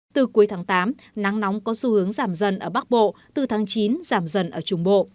từ cuối tháng tám nắng nóng có xu hướng giảm dần ở bắc bộ từ tháng chín giảm dần ở trung bộ